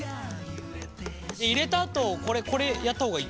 入れたあとこれやった方がいい？